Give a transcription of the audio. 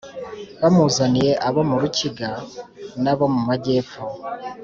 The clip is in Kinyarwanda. Bamuzaniye abo mu rukiga nabo mumajyepfo